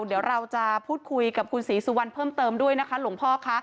เดี๋ยวเราจะพูดคุยกับคุณศรีสุวรรณเพิ่มเติมด้วยนะคะหลวงพ่อค่ะ